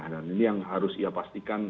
dan ini yang harus ia pastikan